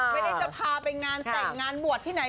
ไม่ได้จะพาไปงานแต่งงานบวชที่ไหน